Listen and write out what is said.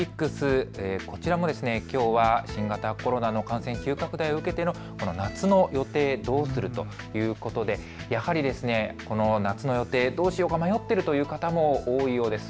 こちらもきょうは新型コロナの感染急拡大を受けてこの夏の予定どうするということでやはりこの夏の予定どうしようか迷っているという方も多いようです。